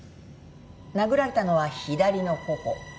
殴られたのは左の頬。